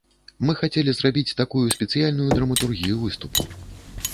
Мы хацелі зрабіць такую спецыяльную драматургію выступу.